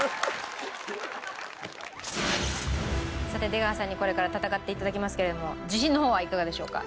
さて出川さんにこれから戦って頂きますけれども自信の方はいかがでしょうか？